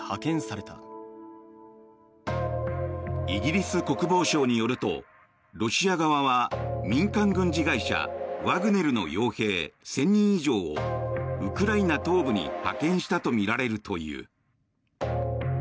イギリス国防省によるとロシア側は民間軍事会社ワグネルの傭兵１０００人以上をウクライナ東部に派遣したとみられるという。